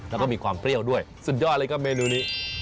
แล้วก็มีความเปรี้ยวด้วยสุดยอดเลยครับเมนูนี้